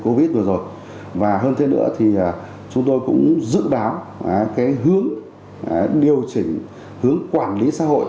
covid vừa rồi và hơn thế nữa thì chúng tôi cũng dự báo cái hướng điều chỉnh hướng quản lý xã hội